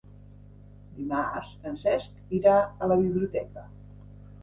Dimarts en Cesc irà a la biblioteca.